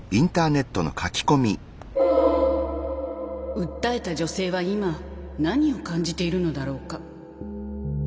「訴えた女性は今何を感じているのだろうか？」。